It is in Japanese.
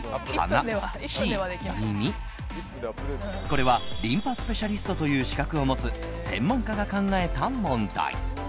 これはリンパスペシャリストという資格を持つ専門家が考えた問題。